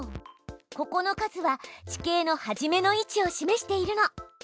ここの数は地形の初めの位置を示しているの。